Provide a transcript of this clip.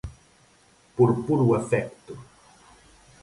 Por puro afecto.